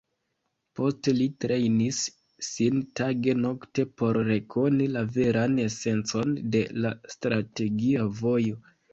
Poste li trejnis sin tage-nokte por rekoni la veran esencon de la Strategia Vojo.